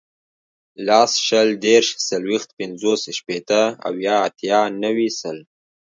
لس, شل, دېرش, څلوېښت, پنځوس, شپېته, اویا, اتیا, نوي, سل